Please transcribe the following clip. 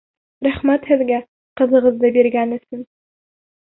Рәхмәт һеҙгә ҡыҙығыҙҙы биргән өсөн!